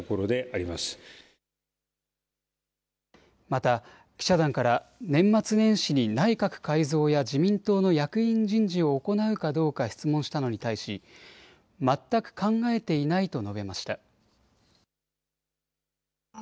また記者団から年末年始に内閣改造や自民党の役員人事を行うかどうか質問したのに対し全く考えていないと述べました。